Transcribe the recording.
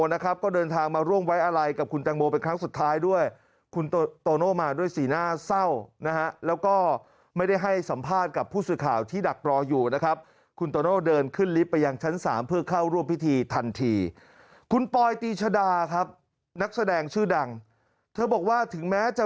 นะครับว่ามัติลูกชาตาครับนักแสดงชื่อดั่งบอกว่าถึงแม้จะ